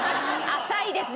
「浅いですね」